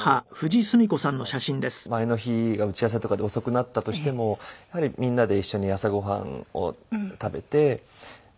私も前の日が打ち合わせとかで遅くなったとしてもやはりみんなで一緒に朝ご飯を食べて。